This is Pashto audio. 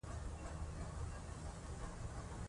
د غیرت چغې شهرت دوه دلیلونه لري.